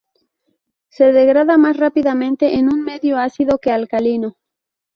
Se degrada más rápidamente en un medio ácido que alcalino.